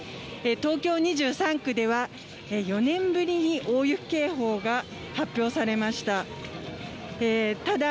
東京２３区では、４年ぶりに大雪警報が発表されました。